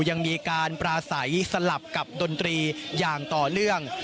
ยังมีการปราศัยสลับกับดนตรีอย่างต่อเนื่อง